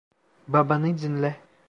Babanı dinle.